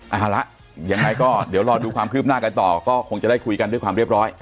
เอาละยังไงก็เดี๋ยวรอดูความคืบหน้ากันต่อก็คงจะได้คุยกันด้วยความเรียบร้อย